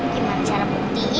gimana cara ngubuktiinnya ya